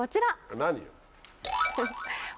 何よ！